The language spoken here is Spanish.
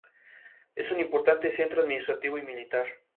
Es un importante centro administrativo y militar.